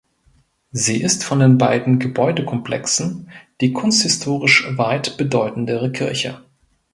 Sie ist von den beiden Gebäudekomplexen die kunsthistorisch weit bedeutendere Kirche.